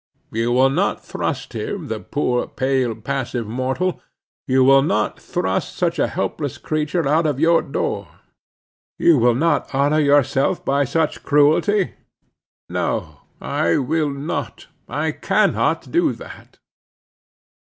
You will not thrust him, the poor, pale, passive mortal,—you will not thrust such a helpless creature out of your door? you will not dishonor yourself by such cruelty? No, I will not, I cannot do that.